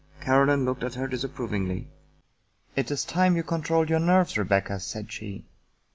Caroline looked at her disapprovingly. " It is time you controlled your nerves, Rebecca," said she.